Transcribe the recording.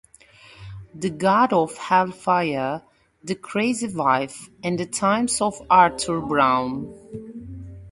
The God of Hellfire, the Crazy Life and Times of Arthur Brown.